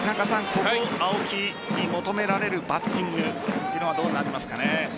ここ、青木に求められるバッティングというのはどうなりますかね？